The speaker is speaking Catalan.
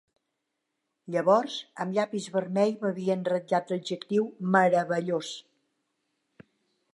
Llavors, amb llapis vermell m'havien ratllat l'adjectiu 'meravellós'.